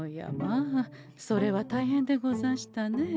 あそれは大変でござんしたねえ。